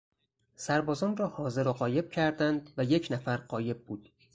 سربازان را حاضر و غایب کردند و یک نفر غایب بود.